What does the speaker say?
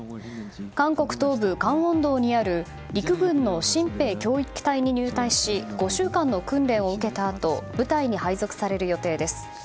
韓国東部カンウォン道にある陸軍の新兵教育隊に入隊し５週間の訓練を受けたあと部隊に配属される予定です。